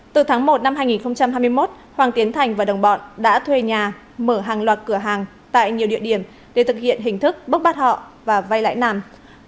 từ tháng một năm hai nghìn hai mươi một hoàng tiến thành và đồng bọn đã thuê nhà mở hàng loạt cửa hàng tại nhiều địa điểm để thực hiện hình thức bốc bắt họ và vay lãi nặng